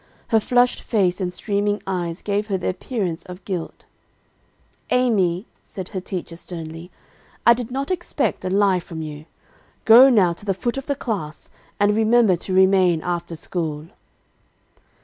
Her flushed face and streaming eyes gave her the appearance of guilt. "'Amy,' said her teacher sternly, 'I did not expect a lie from you. Go, now, to the foot of the class, and remember to remain after school.'